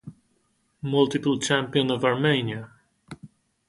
Multiple champion of Armenia.